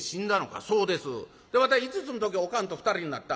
「そうです。でわたい５つの時おかんと２人になった。